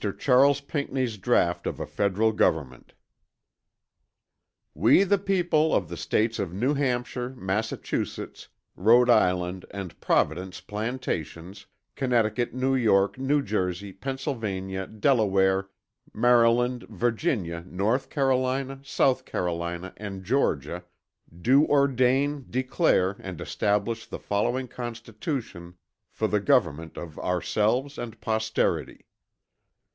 CHARLES PINCKNEY'S DRAUGHT OF A FEDERAL GOVERNMENT We the people of the States of New Hampshire Massachusetts Rhode Island & Providence Plantations Connecticut New York New Jersey Pennsylvania Delaware Maryland Virginia North Caroline South Carolina & Georgia do ordain declare & establish the following Constitution for the Government of Ourselves and Posterity.